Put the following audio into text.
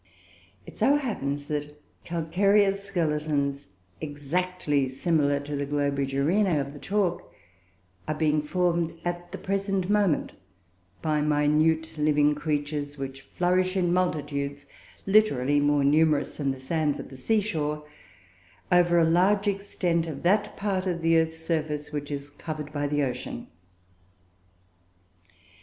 It so happens that calcareous skeletons, exactly similar to the Globigerinoe of the chalk, are being formed, at the present moment, by minute living creatures, which flourish in multitudes, literally more numerous than the sands of the sea shore, over a large extent of that part of the earth's surface which is covered by the ocean.